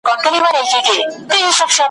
ملنګه ! تور د سترګو وایه څرنګه سپینېږي ,